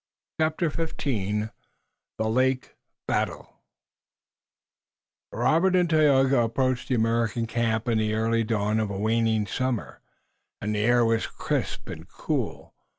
CHAPTER XV THE LAKE BATTLE Robert and Tayoga approached the American camp in the early dawn of a waning summer, and the air was crisp and cool.